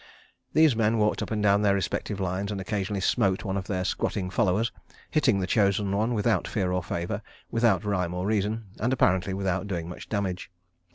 These men walked up and down their respective lines and occasionally smote one of their squatting followers, hitting the chosen one without fear or favour, without rhyme or reason, and apparently without doing much damage.